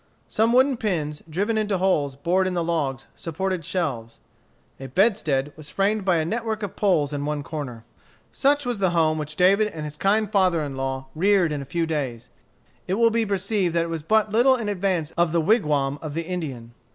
Some wooden pins, driven into holes bored in the logs, supported shelves. A bedstead was framed by a network of poles in one corner. Such was the home which David and his kind father reared in a few days. It will be perceived that it was but little in advance of the wigwam of the Indian.